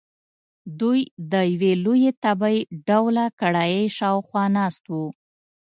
دوی د یوې لویې تبۍ ډوله کړایۍ شاخوا ناست وو.